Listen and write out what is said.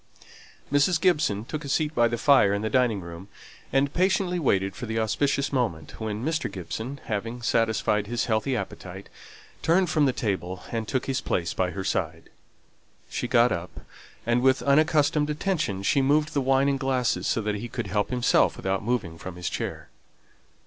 Mrs. Gibson took a seat by the fire in the dining room, and patiently waited for the auspicious moment when Mr. Gibson, having satisfied his healthy appetite, turned from the table, and took his place by her side. She got up, and with unaccustomed attention moved the wine and glasses so that he could help himself without moving from his chair.